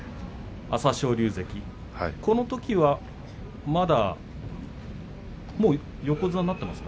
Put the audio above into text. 朝青龍関、このときはまだ横綱になっていますか。